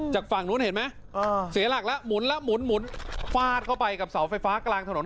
จากฝั่งนู้นเห็นไหมเสียหลักแล้วหมุนแล้วหมุนฟาดเข้าไปกับเสาไฟฟ้ากลางถนน